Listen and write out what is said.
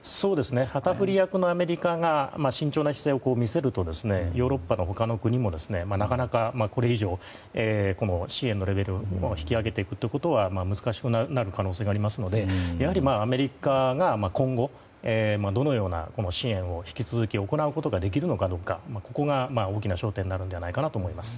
旗振り役のアメリカが慎重な姿勢を見せると、ヨーロッパの他の国もなかなかこれ以上支援のレベルを引き上げていくことは難しくなる可能性がありますのでやはりアメリカが今後、どのような支援を引き続き行うことができるのかここが大きな焦点になると思います。